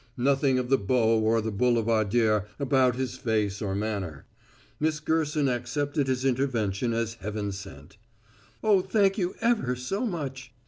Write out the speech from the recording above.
Nothing of the beau or the boulevardier about his face or manner. Miss Gerson accepted his intervention as heaven sent. "Oh, thank you ever so much!